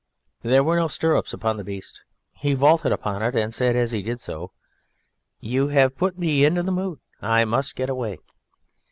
There were no stirrups upon the beast. He vaulted upon it, and said as he did so: "You have put me into the mood, and I must get away!"